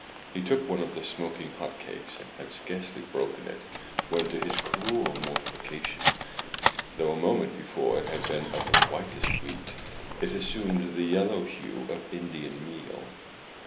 *' He took one of the smoking hot cakes, and had scarcely broken it, when, to his cruel mortification, though a moment before it had been of the whitest wheat, it assumed the yellow hue of Indian meal.